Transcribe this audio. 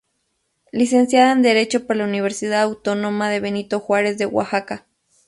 Licenciada en Derecho por la Universidad Autónoma de Benito Juárez de Oaxaca.